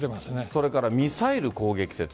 それからミサイル攻撃説。